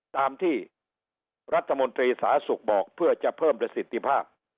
ตามที่รัฐมนตรีสาธารณสุขบอกเพื่อจะเพิ่มประสิทธิภาพ